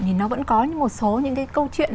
thì nó vẫn có một số những cái câu chuyện